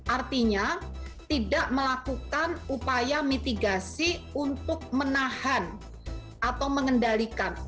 artinya tidak melakukan upaya mitigasi untuk menahan atau mengendalikan